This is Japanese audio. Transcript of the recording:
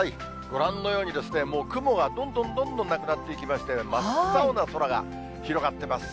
ご覧のように、もう雲がどんどんどんどんなくなっていきまして、真っ青な空が広がってます。